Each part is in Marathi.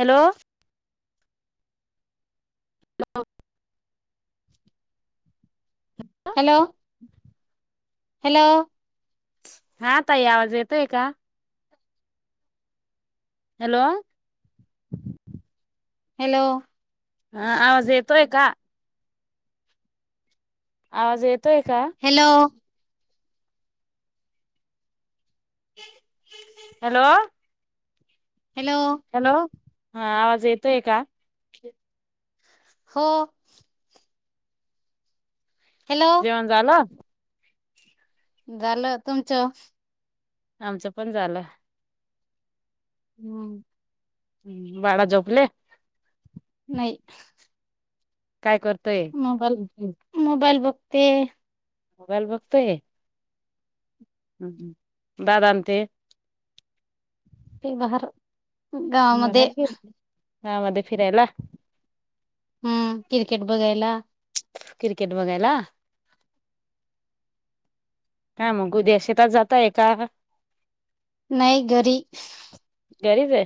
हॅलो [inaudible] हॅलो [inaudible] हॅलो हा ताई आवाज येतोय का? हॅलो हॅलो हा आवाज येतोय का? आवाज येत हॅलो हॅलो हॅलो हॅलो हा आवाज येतोय का? हो हॅलो जेवण झालं झालं तुमचं आमचं पण झालं. हूं हूं बाडा झोपले. नाही. काय करतोय मोबाईल बघते. मोबाईल बघते. मोबाईल बघते? हम्म हम्म, दादा आण ते? ते बाहर गावामध्ये हां मध्ये फिरायला हम्म क्रिकेट बघयला. क्रिकेट बघायला? का मग, उद्या शेतात जाताय का नाही घरी. घरीच आहे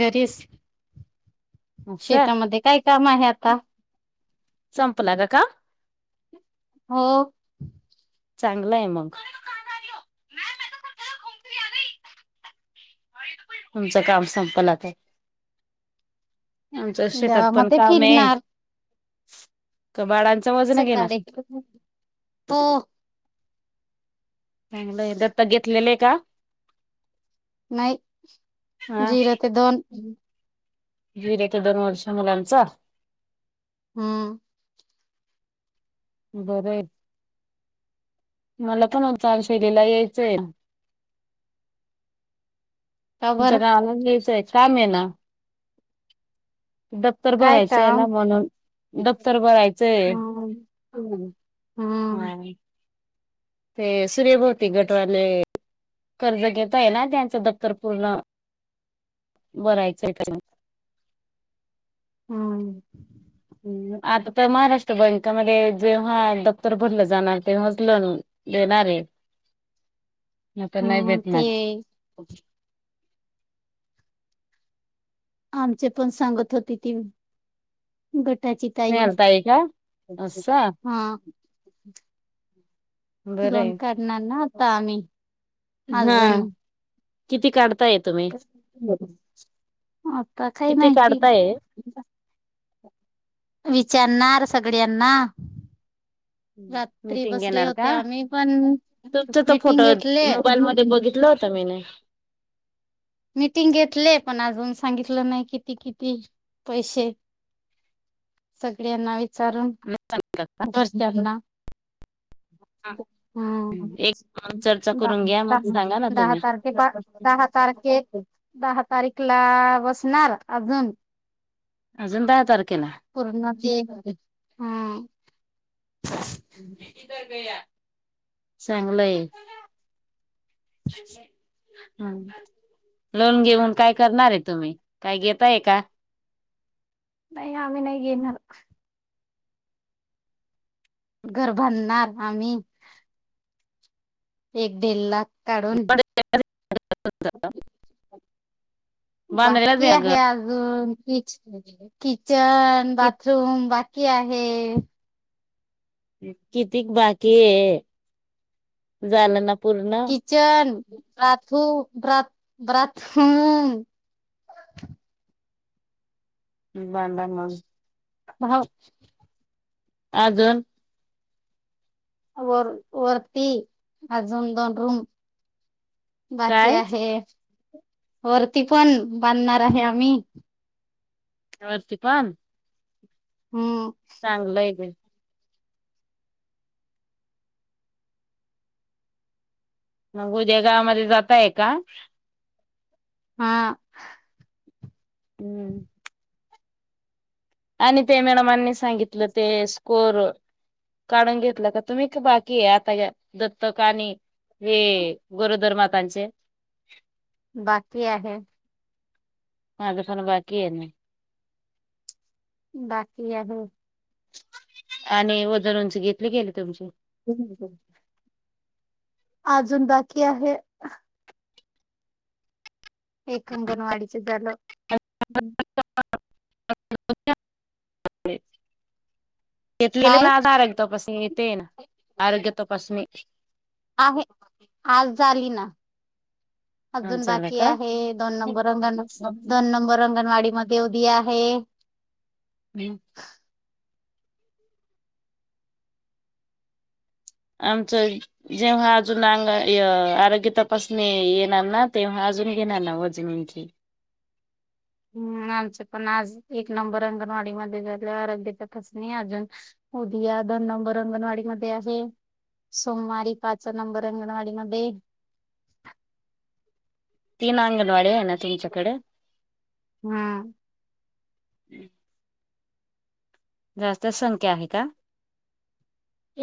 गरेस असं शेतामध्ये काय काम आहे आता? संपला का काम? हो. चांगलं आहे मग. तुमचं काम संपलं ते. आमचं शेतातपण गावामध्ये काम हाय फिरणार का बाळा [unintelligible] हो. चांगलं हाय, दत्तक घेतलेलं हाय का? नाही, झिरो ते दोन झिरो ते दोन वर्ष मुलांचा? हम्म. बरं आहे. मलापण [unintelligible] शैलीला यायचं हाय. का बर तुमच्या गावालाच न्यायचं हाय. [unintelligible] दप्तर काय भरायचं हाय ना काम म्हणून. दप्तर भरायचंय. हम्म हम्म हा. ते सूर्यभोवती गटवाले कर्ज घेत आहे ना, त्यांचं दफ्तर पूर्ण भरायचं हाय [unintelligible] हम्म. आता तर महाराष्ट्र बँकामध्ये जेव्हा दप्तर भरलं जाणार, तेव्हाच लोन देणार हाय. नाय तर, नाय हा ते भेटणार. आमचेपण सांगत होते की, गट त्याची ताई, मिळालताय का? असं हा. ह लोन बरंय काढणार ना आ ता आम्ही. हा अजून किती काढत आता काही किती माहिती काढताय? विचारणार सगळ्यांना रात्री मीटिंग बसले घेणार होते का आम्ही पण तुमच तो मिटिंग फोटो घेतले मोबाईल मध्ये बघितलं होत मी नाही मीटिंग घेतले पण अजून सांगितलं नाही किती किती पैसे सगळ्यांना सारण बस दर ना हम्म एक चर्चा करून घ्या मग दहा सांगा ना दहा तुम्ही तारखे दहा तारखे दहा तारीख ला बसणार अजून अजून दहा तारखेला ज हा हम्म त्रया चांगलंय अछे हम लोन घेऊन काय करणार आहे तुम्ही काय घताय का नाही आम्ही नाही घ येणार घर बांधणार आम्ही एक दडेड लाख त्याढून ह अओके बांधलेलाच बाकी आहे घर. आहेे अजून ठीच ठी किचन बाथरूम आहे किती बाकी आहे झालं ना पूर्ण? किचन बाथरूम ब्रत ब्रत बांड म हा अजून वर वरती अजून दोन रूम बाकी काय? आहे वरती पण बांधणार आहे आम्ही त्यावती पण हम्म चांगलंय बई. मग उद्या गावामध्ये जातय का? हा. हम्म. आणि ते मॅडमांनी सांगितलं ते स्कोर काढून घेतलं का तुम्ही बाकी आहे आता दत्तक आणि हे गोरोदर मातांचे बाकी आहे. माज पण बाकी आहे ना. बाकी आहे. आणि वजन उंच घेतली गेली तुमची. [unintelligible] अजून बाकी आहे. एक अंगणवाडीच झालं. [unintelligible] घेतलेले पण काय? आधार आहे. तपसीन आहे, आज झाली ना. अजून झालं बाकी का आहे. दोन नंबर अंगण दोन नंबर अंगणवाडी मध्ये उदिया हे. नियुक्त. आमचं जेव्हा अजून अंग आरोग्य तपासणी येणार ना तेव्हा अजून घेणार ना वजन उंची? हम्म आमची पण आज एक नंबर अंगणवाडी मध्ये झाला आरोग्याच्या तपासणी अजून उदिया दोन नंबर अंगणवाडी मध्ये आहे सोमवारी पाच नंबर अंगणवाडी मध्ये तीन अंगणवाडयात. ना त्यांच्याकड [inaudible] हम्म जास्त संख्या आहे का?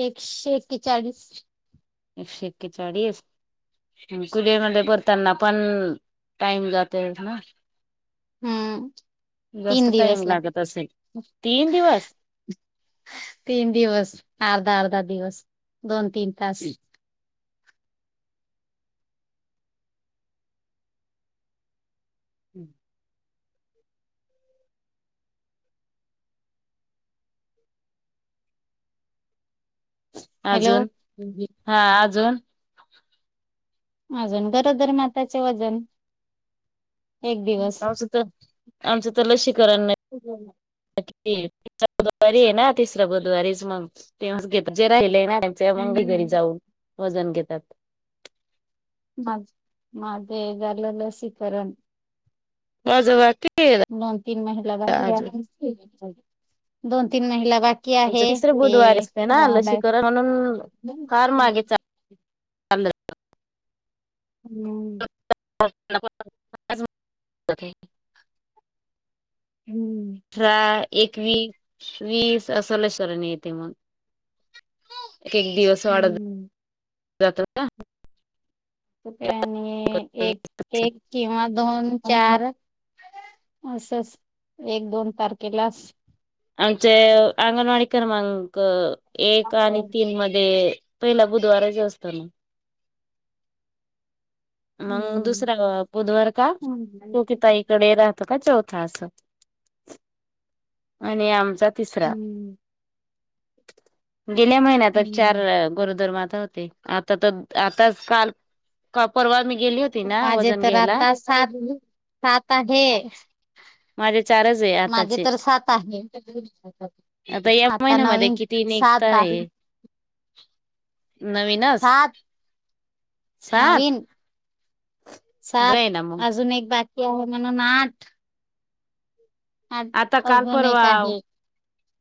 एकशे एक्केचाळीस. एकशे एक्केचाळीस, कुलीमध्ये भरताना पण टाइम जातय ना. हम्म, तीन जास्त दिवस टाइम लाग, लागत असेल तीन दिवस तीन दिवस अर्धा अर्धा दिवस. दोन तीन तास. हम्म. हॅलो अजून हा अजून. [inaudible] अजून गरोदर माताचे वजन एक दिवस आमचं तर आमचं तर लशीकरण नय. ते तिसर बुधवारी आहे ना तिसर बुधवारीच मग तेवाच घेते जे राहिलय ना. त्यांच्या मंगे हम्म घरी जाऊन. वजन घेतात. माझ, माझे झालं लसीकरण. वाजवा की? दोन तीन महिला भरल्या की. दोन तीन महिला बा आमच तिसरे बुधवारी असते, ना लसीकरन म्हणून फार मागे हम्म चा ंद [unintelligible] हम्म. [inaudible] ट्राय. एकवीस वीस असाला शरणी येते मग. एक एक दिवस वाढत. हम्म जातो का. तु आणि एक एक किंवा दोन चार असच एक दोन तारखेलाच आमचे अंगणवाडी कर् मग. एक आणि तीन मध्ये पहिला बुधवाराच असत ना. मग हम्म दुसरा बुधवार का हम्म चुकिताईकडे राहतात. का चौथा अस आणि आमचा तिसरा हम्म गेल्या महिन्यात चार हम्म गरोदर माता आता ते आता तर आता काल परवा मी गेली होती ना माझे वजन तर घ्यायला आता सात सात आहे. माझे चारच आहे माझे आताचे तर सात आहे. या आता महिन्यामध्ये नवीन किती निघता सात आहे. [inaudible] नवीनच सात सात नवीन सात बय ना मग अजून एक बाकी. हो मन नाट आता काल अजून परवा एक ओ. आहे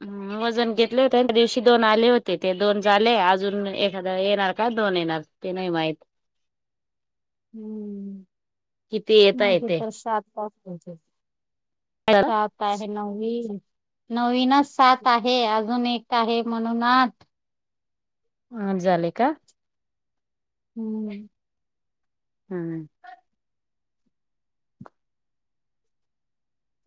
हम् वजन घेतले होते. आणि त्या दिवशी दोन आले होते. ते दोन झाले अजून एखादा येणार का, दोन येणार ते नाही माहित. हम्म किती येता मागे येते तर सात पााच [inaudible] आठ सात आहे नवी. नवीनच सात आहे. अजून एक आहे म्हणूनात ह झाले का. हम. हम्म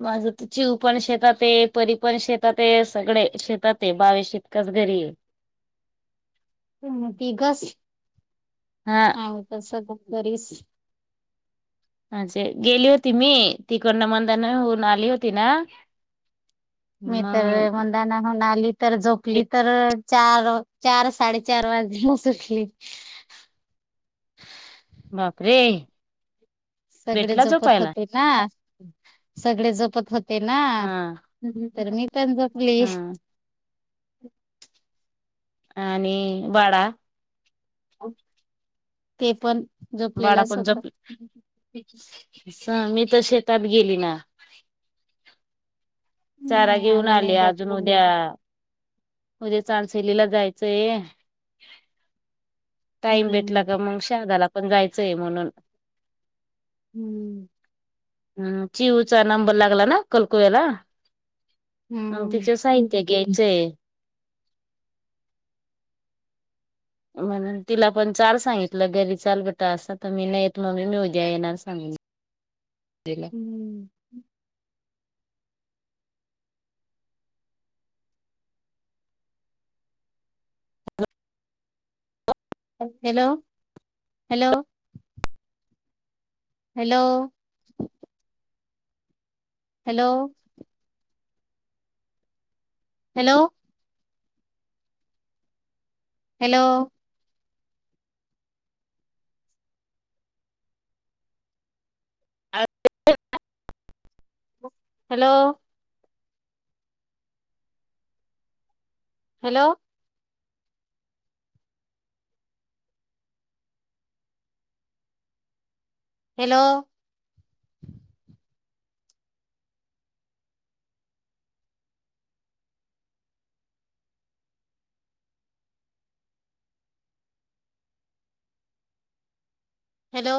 माझ तू चिव पण शेतात ए परी पण शेतात ए सगळे शेतात ए बाळ शेत कस घरी तुम्ही तघस, हा आहोत अस तरीस अजे गेली होती मी तिकडन मंदान होऊन आली होती ना मीथर मग मंदना तर झोपली तर च चार साडे चार वाज बापरे सगळे भेटला झोपत झोपायला होते ना सगळे जपत होते ना हा तर मी पण झोपली हा आणि वडा ते पण बाडा झोपलेला पण सोबत जपले स मी तर शेतात गेली ना चारा नाही घेऊन आम्ही आले नाही जात अजून उद्या उे चचाानसलीला जायचंय टाईम हम्म भेटला का मग शहादाला पण जायचंय म्हणून हम्म हम् चिऊचा नंबर लागला ना कलकुवला मग हम्म तिच्या साहित्या घ्यायचे म्हणून तिला पण चाल सांगितलं घरी चाल बेटा असं तर मी नाही येत मग मी उज्या येणार सांगून तला हम्म ह hello hello hello hello hello hello आ हॅलो हॅलो हॅलो हॅलो